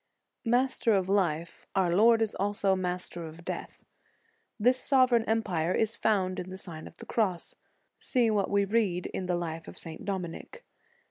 "* Master of life, our Lord is also Master of death. This sovereign empire is found in the Sign of the Cross. See what we read in the life of St. Dominic.